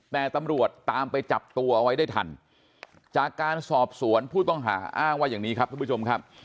แต่ตำรวจตามไปจับตัวเอาไว้ได้ทันจากการสอบสวนผู้ต้องหาอ้างว่าอย่างนี้ครับทุกผู้ชมครับ